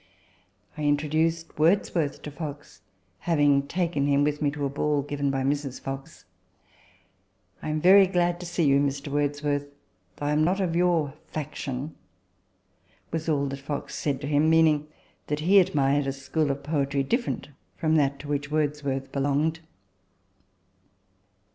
I introduced Wordsworth to Fox, having taken him with me to a ball given by Mrs. Fox. " I am very glad to see you, Mr. Wordsworth, though I am not of your faction," was all that Fox said to him meaning that he admired a school of poetry different from that to which Wordsworth belonged.